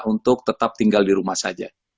untuk tetap tinggal di rumah saja